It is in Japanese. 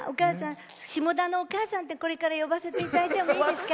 下田のお母さんってこれから呼ばせていただいてもいいですか？